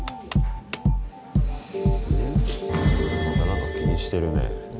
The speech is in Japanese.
また何か気にしてるね。